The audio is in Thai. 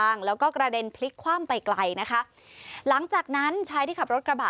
กลางแล้วก็กระเด็นพลิกคว่ำไปไกลนะคะหลังจากนั้นชายที่ขับรถกระบะ